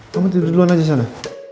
kamu tidur duluan aja sana